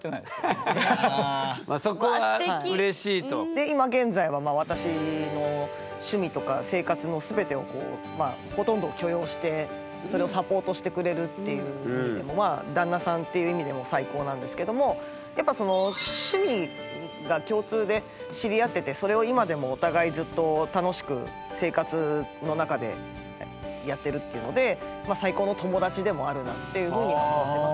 で今現在は私の趣味とか生活の全てをほとんどを許容してそれをサポートしてくれるっていう意味でも「旦那さん」っていう意味でも最高なんですけどもやっぱ趣味が共通で知り合っててそれを今でもお互いずっと楽しく生活の中でやってるっていうので「最高の友達」でもあるなっていうふうに思ってます。